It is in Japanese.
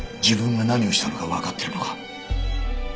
自分が何をしたのかわかっているのか？